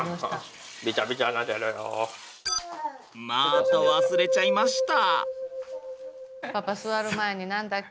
また忘れちゃいました。